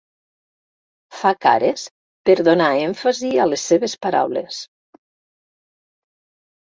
Fa cares per donar èmfasi a les seves paraules.